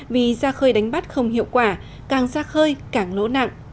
vì ra khơi đánh bắt không hiệu quả càng ra khơi càng lỗ nặng